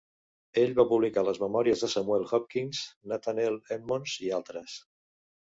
Ell va publicar les memòries de Samuel Hopkins, Nathanael Emmons i altres.